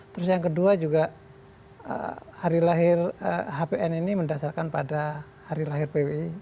terus yang kedua juga hari lahir hpn ini mendasarkan pada hari lahir pwi